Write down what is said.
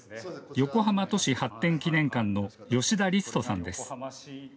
横浜都市発展記念館の吉田律人さんです。